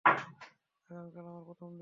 আগামীকাল আমার প্রথম দিন।